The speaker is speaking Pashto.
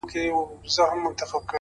په زر چنده مرگ بهتره دی-